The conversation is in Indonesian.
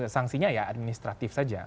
sanksinya ya administratif saja